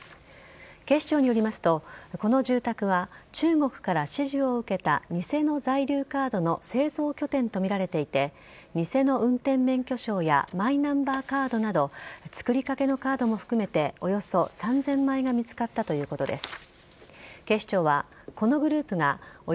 警視庁によりますとこの住宅は中国から指示を受けた偽の在留カードの製造拠点とみられていて偽の運転免許証やマイナンバーカードなど作りかけのカードも含めておよそ３０００枚が見つかったということです。